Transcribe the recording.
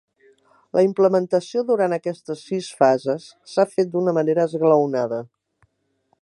La implementació durant aquestes sis fases s’ha fet d’una manera esglaonada.